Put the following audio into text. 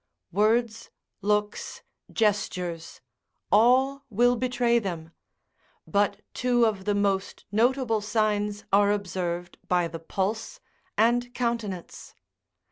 words, looks, gestures, all will betray them; but two of the most notable signs are observed by the pulse and countenance.